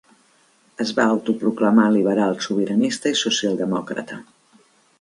Es va autoproclamar liberal, sobiranista i socialdemòcrata.